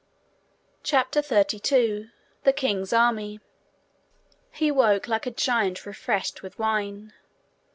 CHAPTER 32 The King's Army He woke like a giant refreshed with wine.